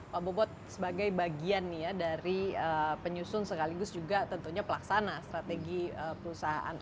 pak bobot sebagai bagian nih ya dari penyusun sekaligus juga tentunya pelaksana strategi perusahaan